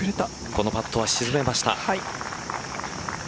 このパットは沈めました。